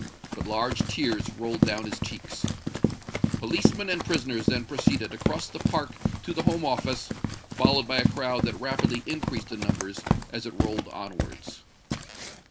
But large tears rolled down his cheeks! Policemen and prisoners then proceeded across the park to the Home Office, followed by a crowd that rapidly increased in numbers as it rolled onwards.